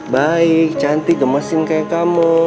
baik cantik gemesin kayak kamu